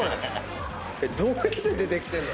どうやって出てきてんの？